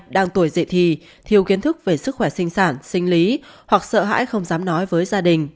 đang tuổi dậy thì thiếu kiến thức về sức khỏe sinh sản sinh lý hoặc sợ hãi không dám nói với gia đình